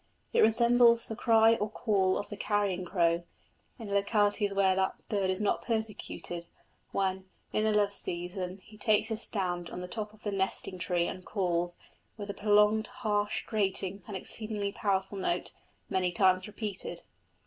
It resembles the cry or call of the carrion crow, in localities where that bird is not persecuted, when, in the love season, he takes his stand on the top of the nesting tree and calls with a prolonged, harsh, grating, and exceedingly powerful note, many times repeated.